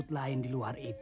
tuhan yang menjaga kita